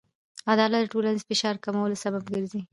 عدالت د ټولنیز فشار کمولو سبب ګرځي.